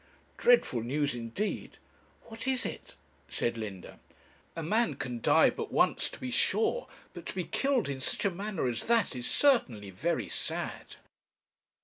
'Dreadful news indeed!' 'What is it?' said Linda. 'A man can die but once, to be sure; but to be killed in such a manner as that, is certainly very sad.'